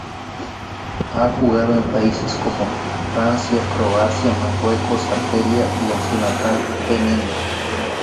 Ha jugado en países como Francia, Croacia, Marruecos, Argelia y en su natal Benín.